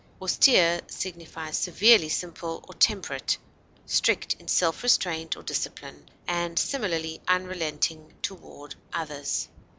Austere signifies severely simple or temperate, strict in self restraint or discipline, and similarly unrelenting toward others.